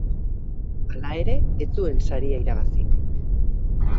Hala ere, ez zuen saria irabazi.